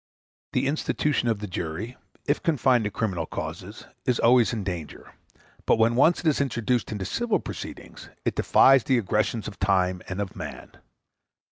The institution of the jury, if confined to criminal causes, is always in danger, but when once it is introduced into civil proceedings it defies the aggressions of time and of man.